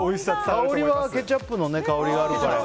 香りはケチャップの香りがあるからね。